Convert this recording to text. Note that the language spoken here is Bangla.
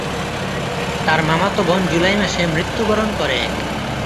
তার মামাতো বোন জুলাই মাসে মৃত্যুবরণ করে।